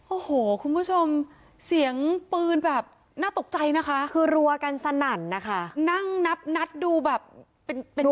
โอ้โหคุณผู้ชมเสียงปืนแบบน่าตกใจนะคะคือรัวกันสนั่นนะคะนั่งนับนัดดูแบบเป็นเป็น